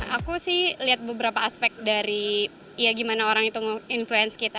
aku sih lihat beberapa aspek dari ya gimana orang itu nge influence kita